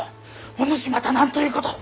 お主また何ということを！